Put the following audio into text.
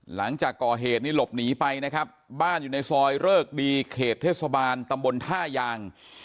หลังจากก่อเหตุนี้หลบหนีไปนะครับบ้านอยู่ในซอยเริกดีเขตเทศบาลตำบลท่ายาง